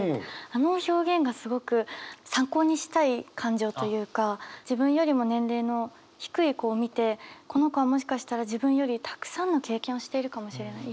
あの表現がすごく参考にしたい感情というか自分よりも年齢の低い子を見てこの子はもしかしたら自分よりたくさんの経験をしているかもしれない。